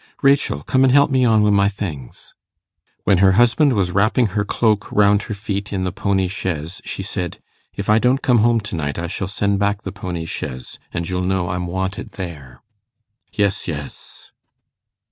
'Rachel, come an' help me on wi' my things.' When her husband was wrapping her cloak round her feet in the pony chaise, she said, 'If I don't come home to night, I shall send back the pony chaise, and you'll know I'm wanted there.' 'Yes, yes.